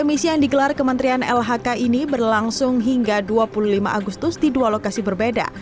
emisi yang digelar kementerian lhk ini berlangsung hingga dua puluh lima agustus di dua lokasi berbeda